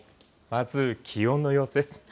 まず気温の様子です。